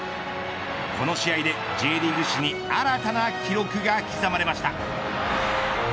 この試合でＪリーグ史に新たな記録が刻まれました。